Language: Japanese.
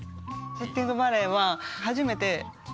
「シッティングバレー」は初めてうわ。